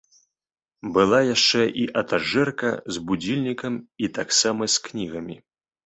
Была яшчэ і этажэрка з будзільнікам і таксама з кнігамі.